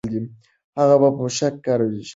هغه په موشک کارېز کې اوسېده.